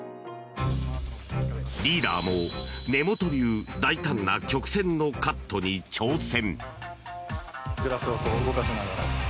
リーダーも根本流大胆な曲線のカットに挑戦！